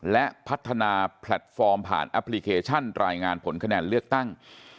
และพัฒนาแพลตฟอร์มผ่านแอปพลิเคชันรายงานผลคะแนนเลือกตั้ง